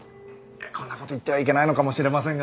こんなことを言ってはいけないのかもしれませんが。